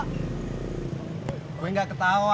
kenapa lo dateng dateng ketawa